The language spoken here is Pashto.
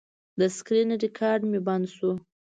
د سکرین ریکارډ مې بند شو.